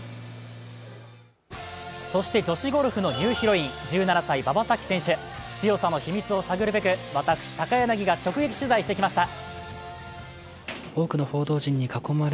そして、女子ゴルフのニューヒロイン、１７歳、馬場咲希選手、強さの秘密を探るべく私、高柳が直撃取材してきました。